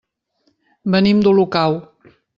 Venim d'Olocau.